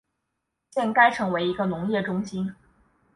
现该城为一个农业中心。